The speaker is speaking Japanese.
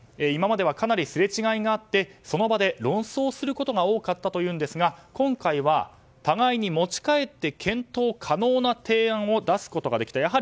今まではかなりすれ違いがありその場で論争することが多かったというんですが、今回は互いに持ち帰って検討可能な提案を出すことができた。